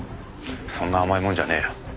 そんな甘いもんじゃねえよ。